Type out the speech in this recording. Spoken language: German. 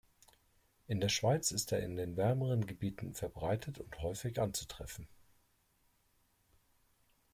In der Schweiz ist er in den wärmeren Gebieten verbreitet und häufig anzutreffen.